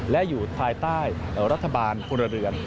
และอยู่ภายใต้รัฐบาลพลเรือน